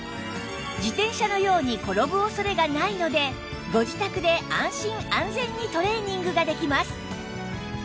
自転車のように転ぶ恐れがないのでご自宅で安心安全にトレーニングができます